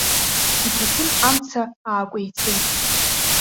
Иҭаҭын амца аакәеицеит.